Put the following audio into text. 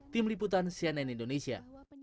tim liputan cnn indonesia